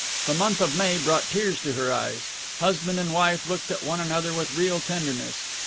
The month of May brought tears to her eyes. Husband and wife looked at one another with real tenderness.